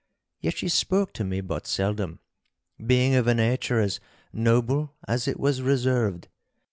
Yet she spoke to me but seldom, being of a nature as noble as it was reserved.